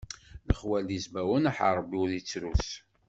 Lexwal d izmawen, aḥerbi ur yettrus.